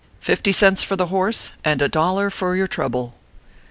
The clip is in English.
fifty cents for the horse and a dollar for your trouble."